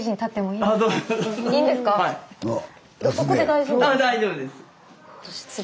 ここで大丈夫ですか？